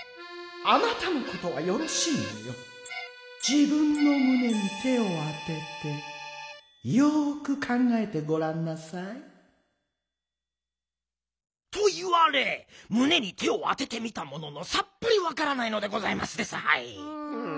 じぶんのむねに手をあててよくかんがえてごらんなさい」。といわれむねに手をあててみたもののさっぱりわからないのでございますですはい。